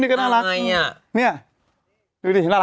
นี่ก็น่ารักรุ่นนี่ก็น่ารัก